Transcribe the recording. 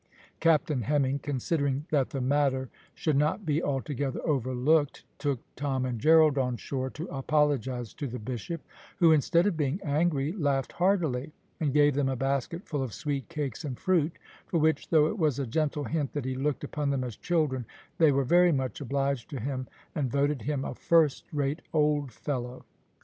Captain Hemming considering that the matter should not be altogether overlooked, took Tom and Gerald on shore to apologise to the bishop, who instead of being angry, laughed heartily, and gave them a basket full of sweet cakes and fruit, for which, though it was a gentle hint that he looked upon them as children, they were very much obliged to him, and voted him a first rate old fellow.